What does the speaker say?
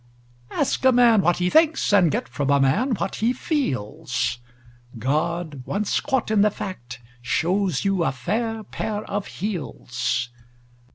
Ask a man what he thinks, and get from a man what he feels: God, once caught in the fact, shows you a fair pair of heels.